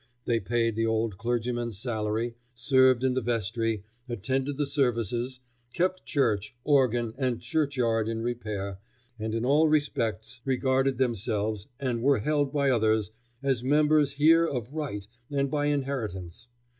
They paid the old clergyman's salary, served in the vestry, attended the services, kept church, organ, and churchyard in repair, and in all respects regarded themselves, and were held by others, as members here of right and by inheritance.